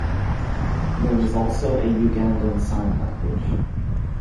There is also a Ugandan Sign Language.